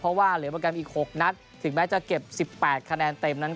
เพราะว่าเหลือโปรแกรมอีก๖นัดถึงแม้จะเก็บ๑๘คะแนนเต็มนั้น